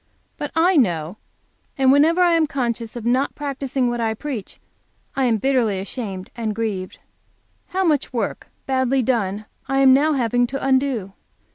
But I know, and whenever I am conscious of not practicing what I preach, I am bitterly ashamed and grieved. How much work, badly done, I am now having to undo.